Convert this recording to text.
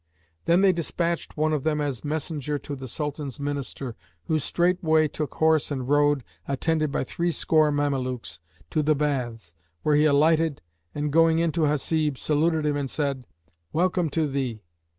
Then they despatched one of them as messenger to the Sultan's Minister, who straightway took horse and rode, attended by threescore Mamelukes, to the baths, where he alighted and going in to Hasib, saluted him and said, "Welcome to thee!"